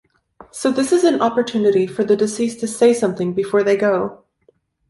So this is an opportunity for the deceased to say something before they go.